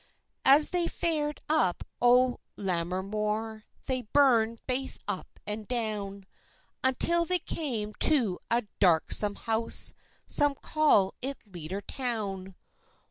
As they fared up o'er Lammermoor, They burn'd baith up and down, Until they came to a darksome house, Some call it Leader Town.